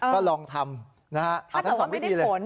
ก็ลองทำอาทิตย์สองวิธีเลย